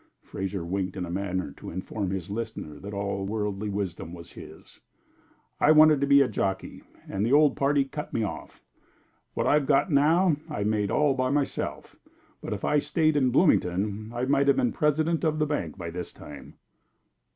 Fraser winked in a manner to inform his listener that all worldly wisdom was his. "I wanted to be a jockey, and the old party cut me off. What I've got now, I made all by myself, but if I'd stayed in Bloomington I might have been president of the bank by this time."